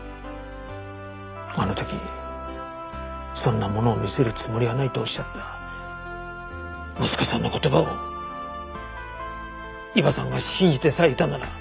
あの時そんなものを見せるつもりはないとおっしゃった息子さんの言葉を伊庭さんが信じてさえいたなら。